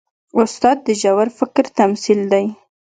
استاد د ژور فکر تمثیل دی.